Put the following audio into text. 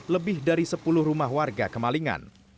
lebih dari sepuluh rumah warga kemalingan